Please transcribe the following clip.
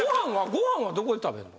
ご飯はどこで食べるの？